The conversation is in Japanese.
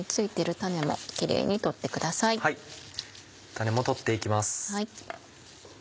種も取って行きます。